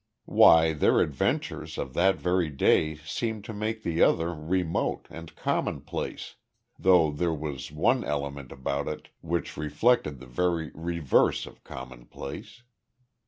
Why their adventures of that very day seemed to make the other remote and commonplace though there was one element about it which reflected the very reverse of commonplace.